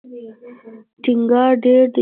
ټینګار ډېر دی.